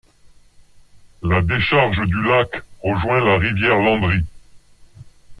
La décharge du lac rejoint la Rivière Landry.